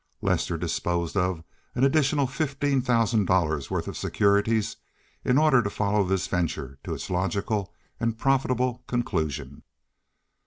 Lester disposed of an additional fifteen thousand dollars worth of securities in order to follow this venture to its logical and profitable conclusion.